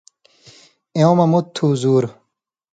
ایوں مہ مُت تُھو زُور